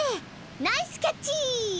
ナイスキャッチ！